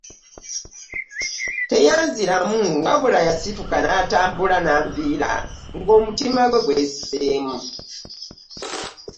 Teyanziramu wabula yasituka n'atambula n'anviira nga omutima gumwesiseemu.